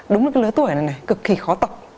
đúng là cái lứa tuổi này cực kỳ khó tập